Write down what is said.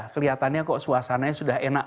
kelihatannya kok suasananya sudah enak